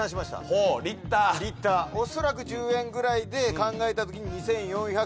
おそらく１０円ぐらいで考えたときに２，４００円と。